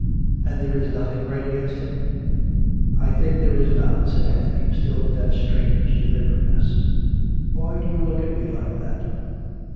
And there is nothing great against him? "" I think there is not/' said Anthony, still with that strange deliberateness. " Why do you look at me like that?